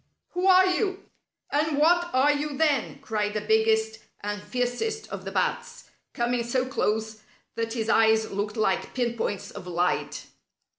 "Who are you? And what are you, then?" cried the biggest and fiercest of the bats, coming so close that his eyes looked like pin points of light.